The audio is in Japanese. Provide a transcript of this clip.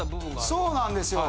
そうなんですよ。